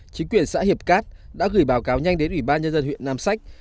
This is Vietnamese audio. chính quyền xã hiệp cát đã gửi báo cáo nhanh đến ủy ban nhân dân huyện nam sách